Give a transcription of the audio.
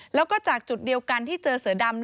แล้วก็จากจุดเดียวกันที่เจอเสือดำ